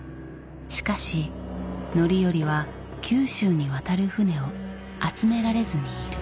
しかし範頼は九州に渡る船を集められずにいる。